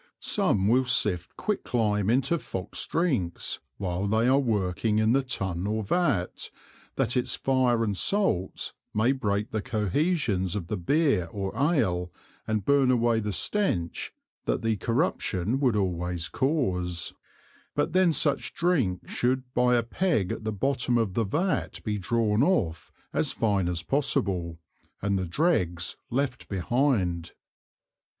Some will sift quick Lime into foxed Drinks while they are working in the Tun or Vat, that its Fire and Salts may break the Cohesions of the Beer or Ale, and burn away the stench, that the Corruption would always cause; but then such Drink should by a Peg at the bottom of the Vat be drawn off as fine as possible, and the Dregs left behind.